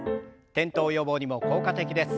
転倒予防にも効果的です。